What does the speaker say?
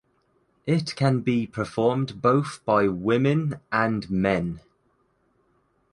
It can be performed both by women and men.